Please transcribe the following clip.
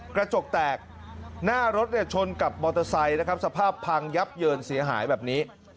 กระจกแตกหน้ารถชนกับมอเตอร์ไซค์นะครับสภาพพังยับเยินเสียหายแบบนี้